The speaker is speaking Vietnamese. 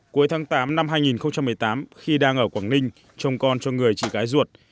cuối tháng tám năm hai nghìn một mươi tám khi đang ở quảng ninh trông con cho người chị gái ruột